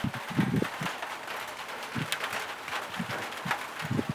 故有说法认为宋太祖早就忌讳韩通。